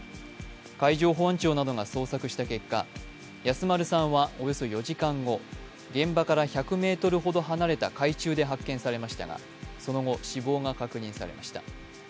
海上保安庁などが捜索した結果、安丸さんはおよそ４時間後、現場から１００ｍほど離れた海中で発見されましたがその後、死亡が確認されました。